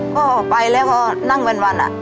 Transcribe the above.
ก็ไปแล้วก็นั่งนู่นวัน